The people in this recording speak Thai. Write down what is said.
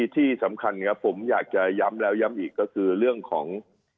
ที่สำคัญครับผมอยากจะย้ำแล้วย้ำอีกก็คือเรื่องของ